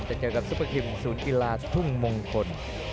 จะเจอกับซูเปอร์กิมศูนย์กีฬาพุ่งมองคล่อน